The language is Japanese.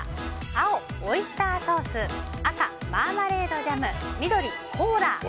青、オイスターソース赤、マーマレードジャム緑、コーラ。